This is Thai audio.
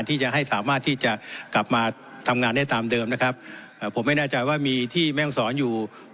ที่จะให้สามารถที่จะกลับมาทำงานได้ตามเดิมนะครับเอ่อผมไม่แน่ใจว่ามีที่แม่ห้องศรอยู่